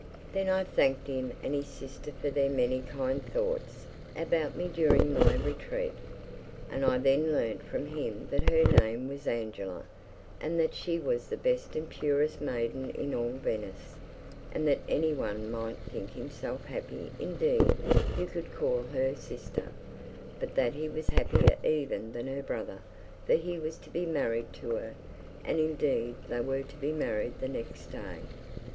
Then I thanked him and his sister for their many kind thoughts about me during my retreat, and I then learnt from him that her name was Angela, and that she was the best and purest maiden in all Venice, and that anyone might think himself happy indeed who could call her sister, but that he was happier even than her brother, for he was to be married to her, and indeed they were to be married the next day.